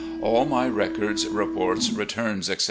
All my records, reports, returns, etc.